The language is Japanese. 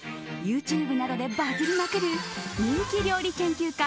ＹｏｕＴｕｂｅなどでバズりまくる人気料理研究家